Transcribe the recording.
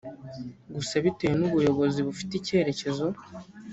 Gusa bitewe n’ubuyobozi bufite icyerekezo